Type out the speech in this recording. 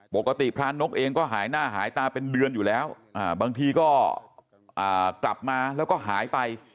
พระนกเองก็หายหน้าหายตาเป็นเดือนอยู่แล้วบางทีก็กลับมาแล้วก็หายไป